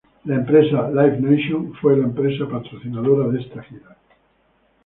La empresa Live Nation fue la empresa patrocinadora de esta gira.